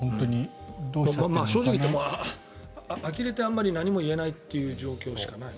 正直言って、あきれてあまり何も言えないという状況しかない。